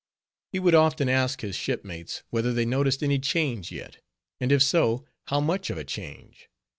He would often ask his shipmates, whether they noticed any change yet; and if so, how much of a change?